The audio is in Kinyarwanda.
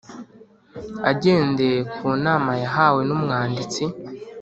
agendeye ku nama yahawe n Umwanditsi